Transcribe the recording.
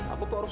aku tuh harus